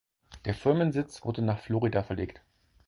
Der Firmensitz wurde nach Florida verlegt.